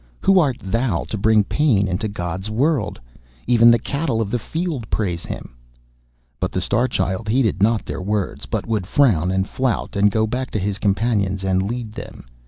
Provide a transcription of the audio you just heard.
Who art thou to bring pain into God's world? Even the cattle of the field praise Him.' But the Star Child heeded not their words, but would frown and flout, and go back to his companions, and lead them.